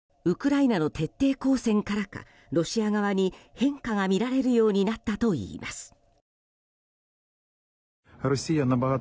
ウクライナの徹底抗戦からかロシア側に変化がみられるようになったといいます。